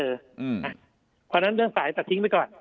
เพราะฉะนั้นเรื่องสายตัดทิ้งไปก่อน